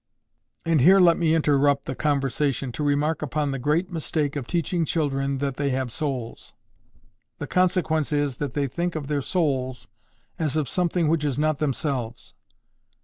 And here let me interrupt the conversation to remark upon the great mistake of teaching children that they have souls. The consequence is, that they think of their souls as of something which is not themselves.